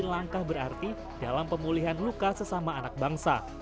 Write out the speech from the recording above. langkah berarti dalam pemulihan luka sesama anak bangsa